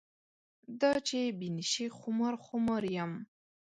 دا چې بې نشې خمار خمار یم.